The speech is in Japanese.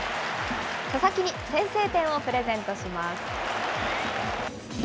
佐々木に先制点をプレゼントします。